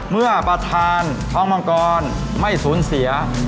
เมื่อประธานท้องมังกรไม่สูญเสีย